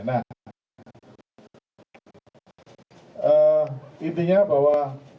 nah intinya bahwa